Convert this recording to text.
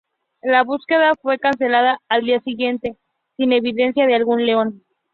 La búsqueda fue cancelada al día siguiente sin evidencia de algún león.